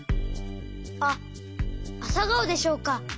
あっあさがおでしょうか。